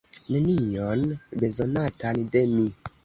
Nenion bezonatan de mi.